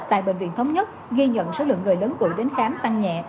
tại bệnh viện thống nhất ghi nhận số lượng người lớn tuổi đến khám tăng nhẹ